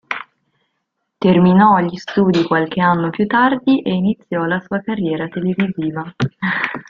Terminò gli studi qualche anno più tardi e iniziò la sua carriera televisiva.